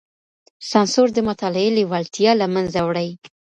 سانسور د مطالعې لېوالتيا له منځه وړي.